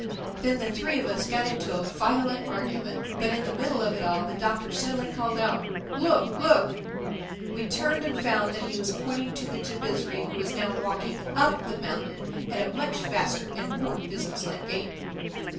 Then the three of us got into a violent argument. But in the middle of it all the Doctor suddenly called out, "Look, look!" We turned and found that he was pointing to the Jabizri, who was now walking up the mountain at a much faster and more business like gait.